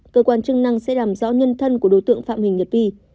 cơ quan chức năng sẽ làm rõ nhân thân của đối tượng phạm huỳnh nhật vi